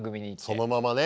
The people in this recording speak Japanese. そのままね。